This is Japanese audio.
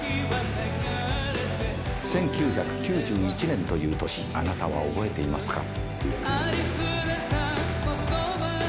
１９９１年という年あなたは覚えていますか。